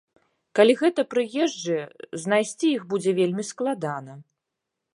Калі гэта прыезджыя, знайсці іх будзе вельмі складана.